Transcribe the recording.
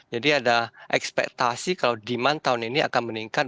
ada ekspektasi kalau demand tahun ini akan meningkat